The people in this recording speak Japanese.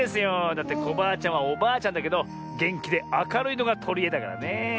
だってコバアちゃんはおばあちゃんだけどげんきであかるいのがとりえだからねえ。